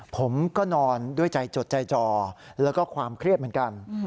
ผมก็นอนด้วยใจจดใจจอแล้วก็ความเครียดเหมือนกัน